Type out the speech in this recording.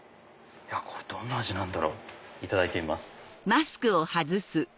どんな味なんだろう？いただいてみます。